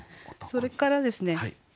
それからですね